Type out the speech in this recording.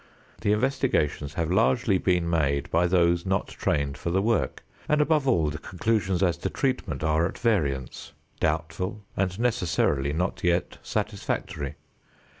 The investigations have largely been made by those not trained for the work, and above all the conclusions as to treatment are at variance, doubtful and necessarily not yet satisfactory.